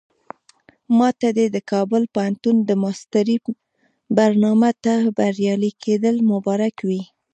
ماته دې د کابل پوهنتون د ماسترۍ برنامې ته بریالي کېدل مبارک وي.